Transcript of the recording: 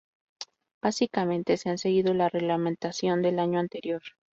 Básicamente se ha seguido la reglamentación del año anterior.